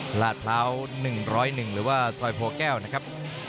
ลาดพร้าว๑๐๑หรือว่าซอยโพแก้วนะครับ